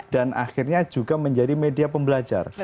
dan akhirnya juga menjadi media pembelajar